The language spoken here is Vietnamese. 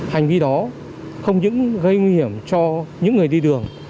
hành vi đó không những gây nguy hiểm cho những người đi đường